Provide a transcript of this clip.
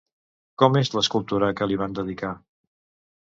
Com és l'escultura que li van dedicar?